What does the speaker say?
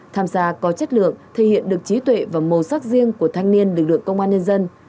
tham gia có chất lượng thể hiện được trí tuệ và màu sắc riêng của thanh niên lực lượng công an nhân dân